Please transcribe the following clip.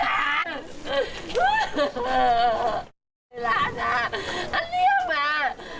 เวลานะอันเรียกมา